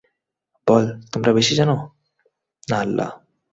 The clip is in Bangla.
বল, তোমরা বেশি জান, না আল্লাহ্?